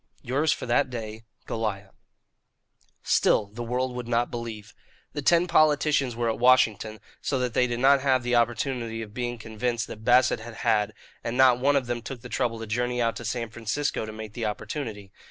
"Yours for that day, "GOLIAH." Still the world would not believe. The ten politicians were at Washington, so that they did not have the opportunity of being convinced that Bassett had had, and not one of them took the trouble to journey out to San Francisco to make the opportunity.